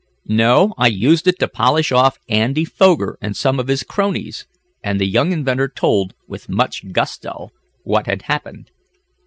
"No, I used it to polish off Andy Foger and some of his cronies," and the young inventor told, with much gusto, what had happened.